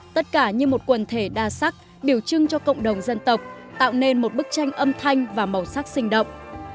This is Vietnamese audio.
tất cả như một quần thể đa sắc biểu trưng cho cộng đồng dân tộc tạo nên một bức tranh âm thanh và màu sắc sinh động